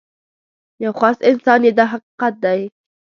یو خاص انسان یې دا حقیقت دی.